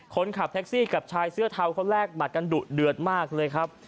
คนขับแท็กซี่กับชายเสื้อเทาเขาแลกหมัดกันดุเดือดมากเลยครับ